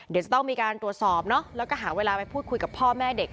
เดี๋ยวจะต้องมีการตรวจสอบเนาะแล้วก็หาเวลาไปพูดคุยกับพ่อแม่เด็ก